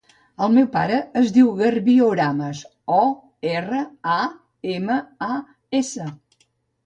El meu pare es diu Garbí Oramas: o, erra, a, ema, a, essa.